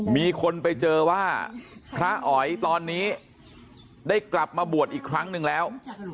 มีคนไปเจอว่าพระอ๋อยตอนนี้ได้กลับมาบวชอีกครั้งหนึ่งแล้ว